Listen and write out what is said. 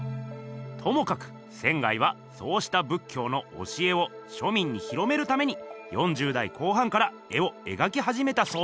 ともかく仙はそうした仏教の教えを庶民に広めるために４０代後半から絵をえがきはじめたそうです。